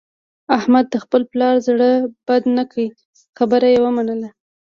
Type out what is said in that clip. احمد د خپل پلار زړه بد نه کړ، خبره یې ومنله.